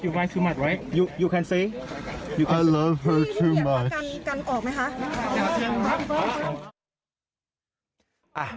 อยากกันครับ